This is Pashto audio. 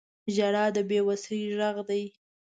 • ژړا د بې وسۍ غږ دی.